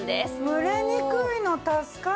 蒸れにくいの助かる！